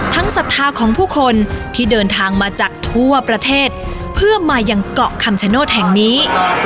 ศรัทธาของผู้คนที่เดินทางมาจากทั่วประเทศเพื่อมายังเกาะคำชโนธแห่งนี้